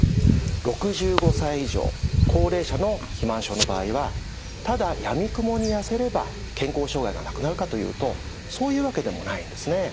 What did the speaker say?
６５歳以上高齢者の肥満症の場合はただやみくもにやせれば健康障害がなくなるかというとそういうわけでもないんですね。